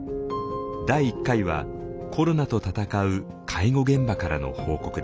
第１回はコロナと闘う介護現場からの報告です。